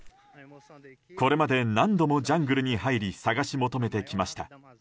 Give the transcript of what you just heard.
これまで何度もジャングルに入り探し求めてきました。